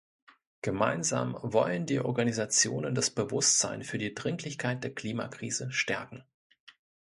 Gemeinsam wollen die Organisationen das Bewusstsein für die Dringlichkeit der Klimakrise stärken.